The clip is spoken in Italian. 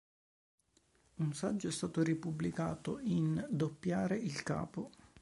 Un saggio è stato ripubblicato in "Doppiare il capo".